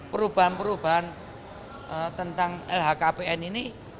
perubahan perubahan tentang lhkpn ini